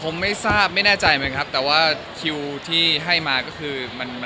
ผมไม่ทราบไม่แน่ใจมันครับแต่ว่าคิวที่ให้มาก็คือมันไม่ตรงกัน